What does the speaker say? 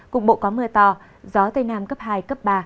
cục bộ có mưa to gió tây nam cấp hai cấp ba